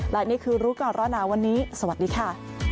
และนี่คือรู้ก่อนร้อนหนาวันนี้สวัสดีค่ะ